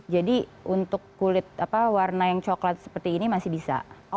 jadi untuk kulit warna yang coklat seperti ini masih bisa